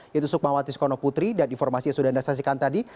yaitu sukmawati soekarno putri dan informasi yang sudah anda saksikan tadi